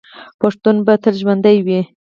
پښتون به تل ژوندی وي.